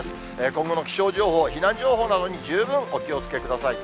今後の気象情報、避難情報などに十分お気をつけください。